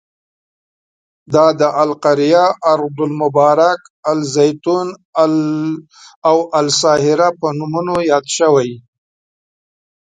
دا د القریه، ارض المبارک، الزیتون او الساهره په نومونو یاد شوی.